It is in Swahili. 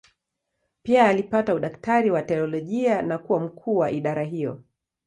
Pia alipata udaktari wa teolojia na kuwa mkuu wa idara hiyo.